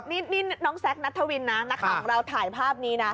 นี่น้องแซคนัทธวินนะนักข่าวของเราถ่ายภาพนี้นะ